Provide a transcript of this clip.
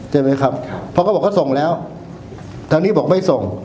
ใช่ไหมครับเพราะเขาบอกเขาส่งแล้วทางนี้บอกไม่ส่ง